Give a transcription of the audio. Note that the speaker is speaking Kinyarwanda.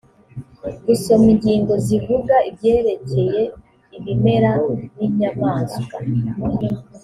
gusoma ingingo zivuga ibyerekeye ibimera n’inyamaswa